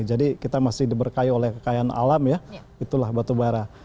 jadi kita masih diberkayu oleh kekayaan alam ya itulah batubara